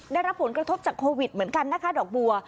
ได้รับผลกระทบจากโควิดเหมือนกันนะคะดอกบัว